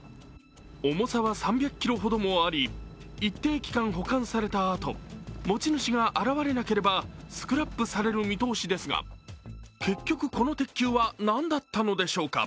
重さは３００ｋｇほどもあり、一定期間、保管されたあと持ち主が現れなければスクラップされる見通しですが、結局、この鉄球は何だったのでしょうか。